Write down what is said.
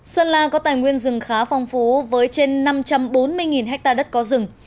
sơn la có tài nguyên rừng khá phong phú với trên năm trăm bốn mươi ha đất có rừng